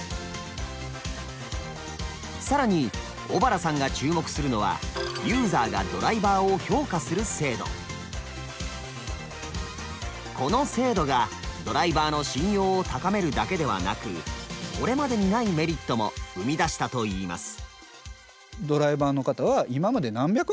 更に尾原さんが注目するのはこの制度がドライバーの信用を高めるだけではなくこれまでにないメリットも生み出したといいます。